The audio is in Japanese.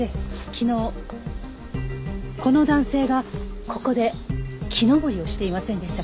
昨日この男性がここで木登りをしていませんでしたか？